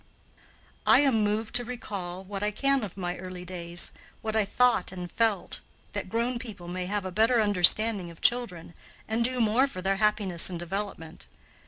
I am moved to recall what I can of my early days, what I thought and felt, that grown people may have a better understanding of children and do more for their happiness and development.